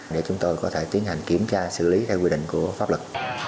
để chúng tôi có thể tiến hành kiểm tra xử lý theo quy định của pháp luật